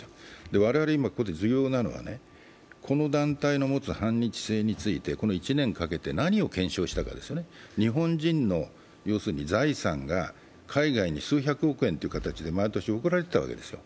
我々、今ここで重要なのはこの団体の持つ反日性についてこの１年かけて何を検証したのか、日本のお金が海外に数百億円という形で毎年送られていたわけですよ。